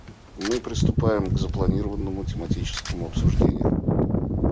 Мы приступаем к запланированному тематическому обсуждению.